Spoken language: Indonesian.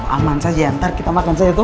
aman saja ntar kita makan saja tuh